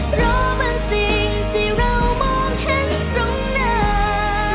เพราะมันสิ่งที่เรามองเห็นตรงหน้า